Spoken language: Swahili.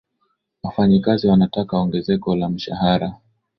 wafanyikazi wanataka ongezeko la mshahara